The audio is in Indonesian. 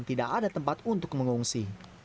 dan tidak ada tempat untuk mengungsi